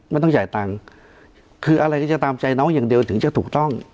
ไม่ต้องจ่ายตังค์คืออะไรก็จะตามใจน้องอย่างเดียวถึงจะถูกต้อง